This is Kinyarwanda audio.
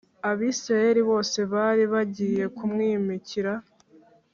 Abisirayeli bose bari bagiye kumwimikira